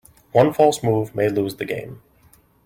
One false move may lose the game.